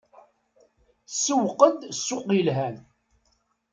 Tsewweq-d ssuq yelhan.